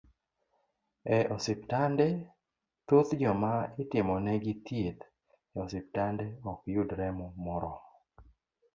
E osiptande, thoth joma itimonegi thieth e osiptande, ok yud remo moromo